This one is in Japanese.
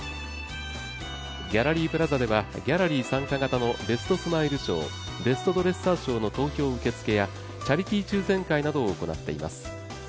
ギャラリープラザではギャラリー参加型のベストスマイル賞ベストドレッサー賞の投票受付やチャリティー抽選会などを行っています。